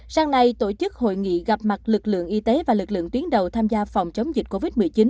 sáng nay tổ chức hội nghị gặp mặt lực lượng y tế và lực lượng tuyến đầu tham gia phòng chống dịch covid một mươi chín